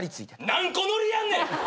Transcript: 何個ノリやんねん！